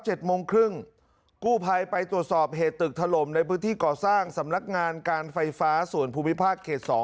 กู้ภัยไปตรวจสอบเหตุตึกถล่มในพื้นที่ก่อสร้างสำนักงานการไฟฟ้าส่วนภูมิภาคเขตสอง